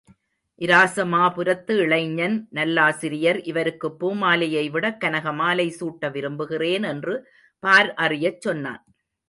இராசமாபுரத்து இளைஞன் நல்லாசிரியர் இவருக்குப் பூமாலையை விடக் கனகமாலை சூட்ட விரும்புகிறேன் என்று பார் அறியச் சொன்னான்.